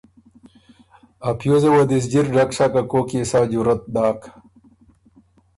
ا پیوزه وه دی سُو جِر ډک سَۀ که کوک يې سا جرأت داک۔